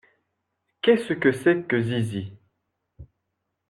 Qu’est-ce que c’est que Zizi ?